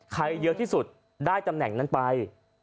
เยอะที่สุดได้ตำแหน่งนั้นไป